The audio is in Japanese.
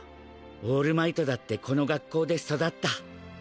オールマイトだってこの学校で育った。